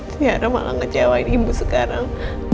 sekarang malah ngecewain ibu sekarang